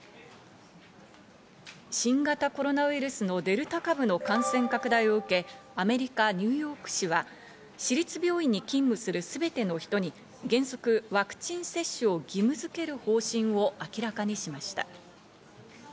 新型コロナウイルスのデルタ株の感染拡大を受け、アメリカ・ニューヨーク市は市立病院に勤務するすべての人に原則、ワクチン接種を義務づける方針を明らかにしました。